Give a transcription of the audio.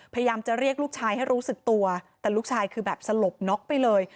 พยายามจะเรียกลูกชายให้รู้สึกตัวแต่ลูกชายคือแบบสลบน็อกไปเลย